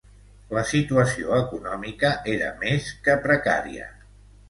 La situació econòmica era més que precària.